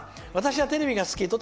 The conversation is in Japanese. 私はテレビがすき。